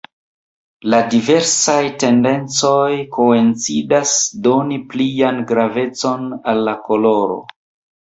La diversaj tendencoj koincidas doni plian gravecon al la koloro.